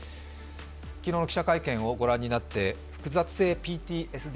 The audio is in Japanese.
昨日の記者会見を御覧になって複雑性ＰＴＳＤ